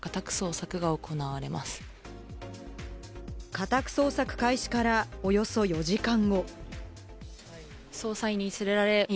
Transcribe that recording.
家宅捜索開始からおよそ４時間後。